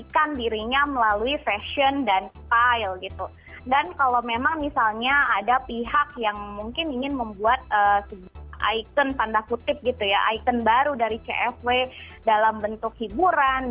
padahal kalau misalnya kita perhatikan